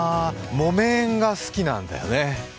木綿が好きなんだよね。